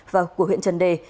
và của huyện trần đề